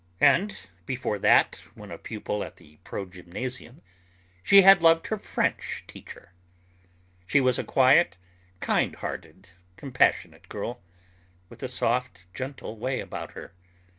And before that, when a pupil at the progymnasium, she had loved her French teacher. She was a quiet, kind hearted, compassionate girl, with a soft gentle way about her.